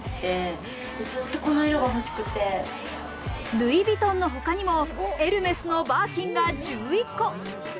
ルイ・ヴィトンのほかにもエルメスのバーキンが１１個。